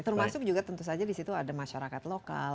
termasuk juga tentu saja di situ ada masyarakat lokal